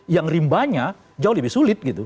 yang rimbanya jauh lebih sulit gitu